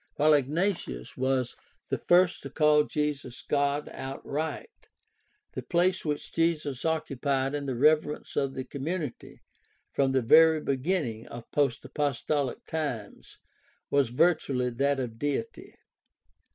While Ignatius was the first to call Jesus God outright, the place which Jesus occupied in the reverence of the community from the very beginning of post apostolic times was virtually that of Deity.